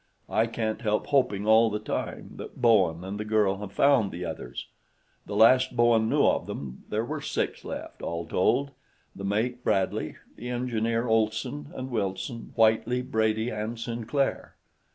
I can't help hoping all the time that Bowen and the girl have found the others; the last Bowen knew of them, there were six left, all told the mate Bradley, the engineer Olson, and Wilson, Whitely, Brady and Sinclair.